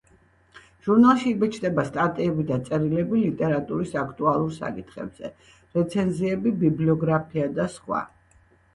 ჟურნალში იბეჭდება სტატიები და წერილები ლიტერატურის აქტუალურ საკითხებზე, რეცენზიები, ბიბლიოგრაფია და სხვა.